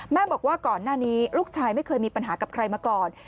บอกว่าก่อนหน้านี้ลูกชายไม่เคยมีปัญหากับใครมาก่อน